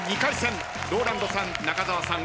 ＲＯＬＡＮＤさん中澤さん